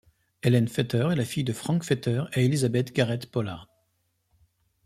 Ellen Fetter est la fille de Frank Fetter et Elizabeth Garrett Pollard.